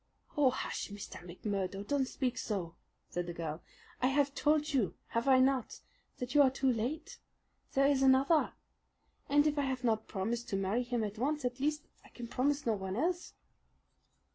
"Oh, hush, Mr. McMurdo, don't speak so!" said the girl. "I have told you, have I not, that you are too late? There is another, and if I have not promised to marry him at once, at least I can promise no one else."